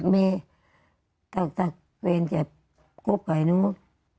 แม่ถ้าเพื่อนจะคุบกับไอ้นู้น